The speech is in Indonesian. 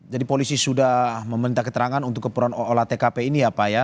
jadi polisi sudah meminta keterangan untuk keperluan olah tkp ini ya pak ya